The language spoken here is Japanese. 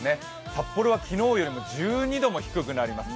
札幌は昨日よりも１２度も低くなります。